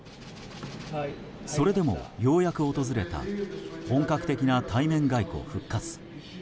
それでもようやく訪れた本格的な対面外交復活。